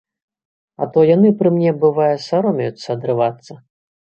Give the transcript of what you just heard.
А то яны пры мне, бывае, саромеюцца адрывацца.